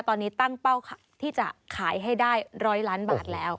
ตอนนี้ตั้งเป้าที่จะขายให้ได้๑๐๐ล้านบาทแล้ว